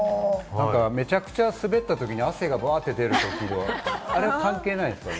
めちゃくちゃすべったときに汗がバーッと出るのは、あれは関係ないですか？